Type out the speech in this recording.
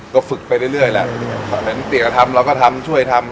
ก็ฝึกไปเรื่อยเรื่อยแหละแบบนั้นติดกับทำเราก็ทำช่วยทำ